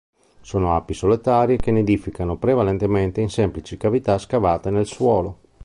Sono api solitarie che nidificano prevalentemente in semplici cavità scavate nel suolo.